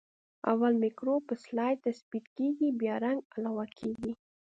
اول مکروب په سلایډ تثبیت کیږي بیا رنګ علاوه کیږي.